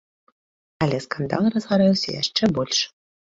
Але скандал разгарэўся яшчэ больш.